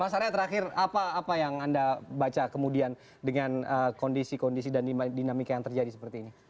mas arya terakhir apa yang anda baca kemudian dengan kondisi kondisi dan dinamika yang terjadi seperti ini